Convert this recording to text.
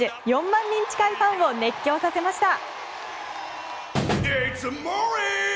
４万人近いファンを熱狂させました。